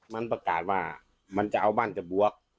มันประกาศว่ามันจะเอาบ้านจะบวก